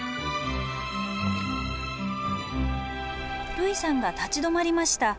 類さんが立ち止まりました。